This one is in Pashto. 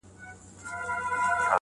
ارام ناست دي